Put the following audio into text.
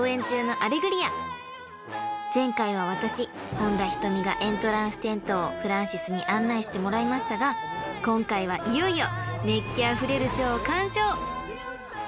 ［前回は私本田仁美がエントランステントをフランシスに案内してもらいましたが今回はいよいよ熱気あふれるショーを鑑賞］